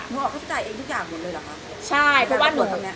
หนูออกพืชใจเองที่กลับหมดเลยหรอคะ